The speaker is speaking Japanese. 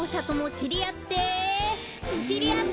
しりあって！